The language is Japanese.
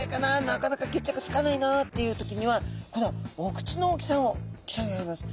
なかなか決着つかないなっていう時にはこのお口の大きさを競い合います。